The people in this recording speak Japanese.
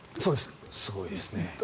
すごいですね。